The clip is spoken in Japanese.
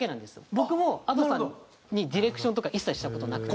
僕もＡｄｏさんにディレクションとか一切した事なくて。